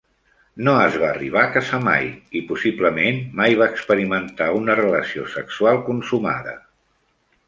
No es va arribar a casar mai i possiblement mai va experimentar una relació sexual consumada.